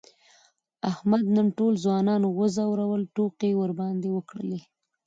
احمد نن ټول ځوانان و ځورول، ټوکې یې ورباندې وکړلې.